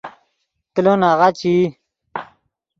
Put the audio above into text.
کلو ناغہ چے ای